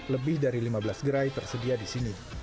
lebih dari lima belas gerai tersedia di sini